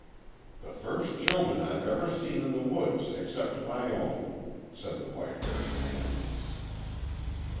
"The first children I've ever seen in the woods except my own," said the white haired man.